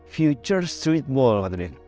future streetball katanya